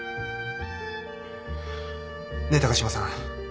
ねえ高島さん。